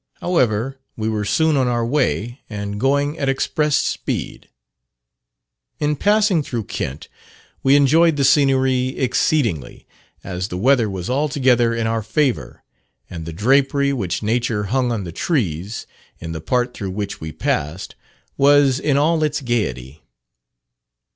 However, we were soon on our way, and going at express speed. In passing through Kent we enjoyed the scenery exceedingly, as the weather was altogether in our favour; and the drapery which nature hung on the trees, in the part through which we passed, was in all its gaiety.